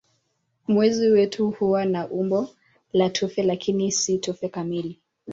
Mwezi wetu huwa na umbo la tufe lakini si tufe kamili.